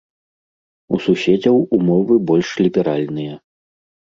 У суседзяў умовы больш ліберальныя.